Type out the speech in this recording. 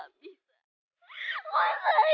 aku mau pergi kemana mana